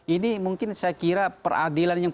ini mungkin saya kira peradilan yang